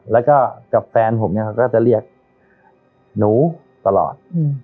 แล้วก็กับแฟนผมเนี่ยเขาก็จะเรียกหนูตลอด